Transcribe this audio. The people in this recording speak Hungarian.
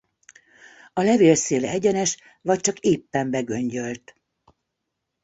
A levél széle egyenes vagy csak éppen begöngyölt.